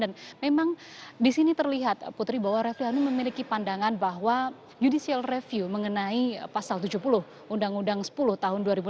dan memang disini terlihat putri bahwa refli harun memiliki pandangan bahwa judicial review mengenai pasal tujuh puluh undang undang sepuluh tahun dua ribu enam belas